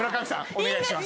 お願いします。